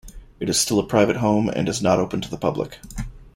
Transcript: It is still a private home and is not open to the public.